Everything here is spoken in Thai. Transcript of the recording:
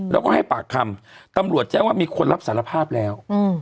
แล้วก็ให้ปากคำตำรวจแจ้งว่ามีคนรับสารภาพแล้ว